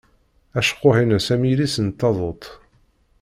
Acekkuḥ-ines am yilis n taduḍt.